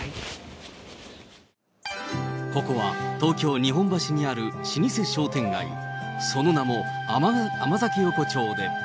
ここは東京・日本橋にある老舗商店街、その名も甘酒横丁で。